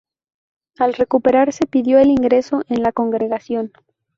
Al recuperarse pidió el ingreso en la congregación.